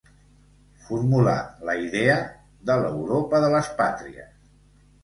Formulà la idea de l'Europa de les pàtries.